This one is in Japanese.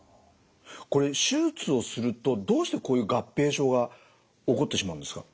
これ手術をするとどうしてこういう合併症が起こってしまうんですか？